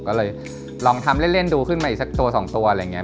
ก็เลยลองทำเล่นดูขึ้นมาอีกสักตัวสองตัวอะไรอย่างนี้